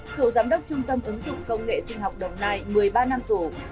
cựu giám đốc trung tâm ứng dụng công nghệ sinh học đồng nai một mươi ba năm tù